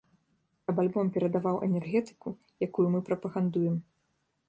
Каб альбом перадаваў энергетыку, якую мы прапагандуем.